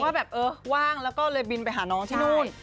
ว่าแบบเออว่างแล้วก็เลยบินไปหาน้องที่นู่น